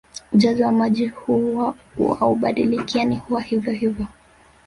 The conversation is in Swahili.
Ujazo wa maji huwa haubadiliki yani huwa hivyo hivyo